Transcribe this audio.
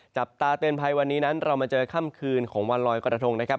จับตาเตือนภัยวันนี้นั้นเรามาเจอค่ำคืนของวันลอยกระทงนะครับ